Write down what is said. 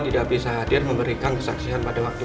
tidak bisa hadir memberikan kesaksian pada waktu